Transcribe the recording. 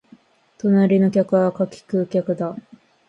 隣の客は柿食う客だ